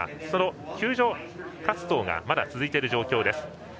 その救助活動がまだ続いている状況です。